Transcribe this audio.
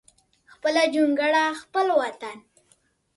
خپل جونګړه خپل وطن